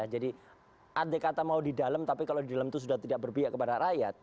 jadi adek kata mau di dalam tapi kalau di dalam itu sudah tidak berpihak kepada rakyat